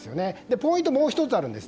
ポイントはもう１つあります。